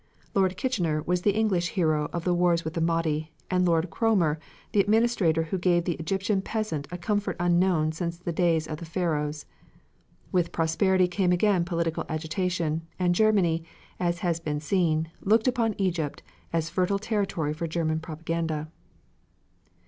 Lord Kitchener was the English hero of the wars with the Mahdi, and Lord Cromer the administrator who gave the Egyptian peasant a comfort unknown since the days of the Pharaohs. With prosperity came political agitation, and Germany, as has been seen, looked upon Egypt as fertile territory for German propaganda.